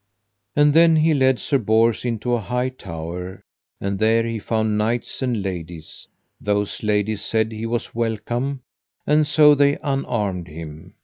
And then he led Sir Bors into an high tower, and there he found knights and ladies: those ladies said he was welcome, and so they unarmed him.